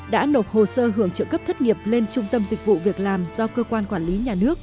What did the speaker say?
đã nộp hồ sơ hưởng trợ cấp thất nghiệp lên trung tâm dịch vụ việc làm do cơ quan quản lý nhà nước